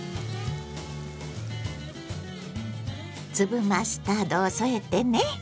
粒マスタードを添えてね。